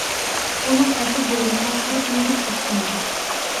ئۇنىڭ ئەسىر بولغىنىغا قىرىق يىلدىن ئاشقانىدى.